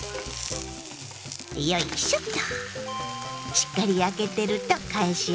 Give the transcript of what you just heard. よいしょっと。